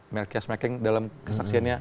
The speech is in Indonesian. merkia smeking dalam kesaksiannya